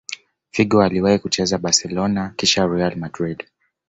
figo aliwahi kucheza barcelona kisha real madrid